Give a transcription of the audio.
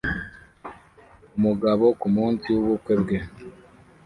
Umugabo kumunsi w'ubukwe bwe